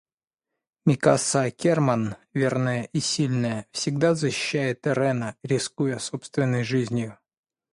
Микаса Аккерман, верная и сильная, всегда защищает Эрена, рискуя собственной жизнью.